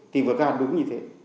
thì vừa qua đúng như thế